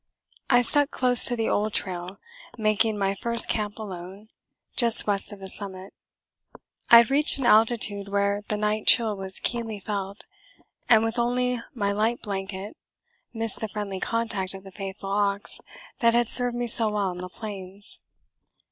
I stuck close to the old trail, making my first camp alone, just west of the summit. I had reached an altitude where the night chill was keenly felt, and with only my light blanket missed the friendly contact of the faithful ox that had served me so well on the Plains.